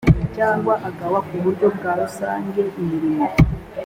cyangwa agawa ku buryo bwa rusange imirimo